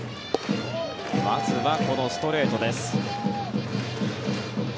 まずは、このストレートです。